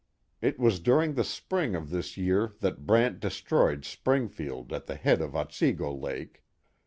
It was during the spring of thisyearthat Brant destroyed Springfield at the head of Otsego Lake.